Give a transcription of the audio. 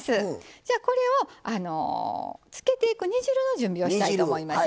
じゃあこれをつけていく煮汁の準備をしたいと思います。